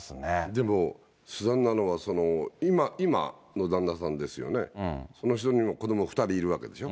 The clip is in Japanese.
でも、悲惨なのは、今の旦那さんですよね、その人にも子ども２人いるわけでしょ。